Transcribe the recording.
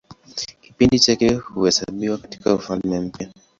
Kipindi chake huhesabiwa katIka Ufalme Mpya.